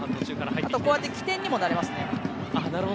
あとこうやって起点にもなれますね。